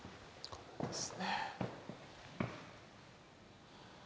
そうです。